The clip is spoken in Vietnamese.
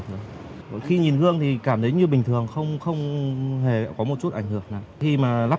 thường khi nhìn gương thì cảm thấy như bình thường không không hề có một chút ảnh hưởng khi mà lắp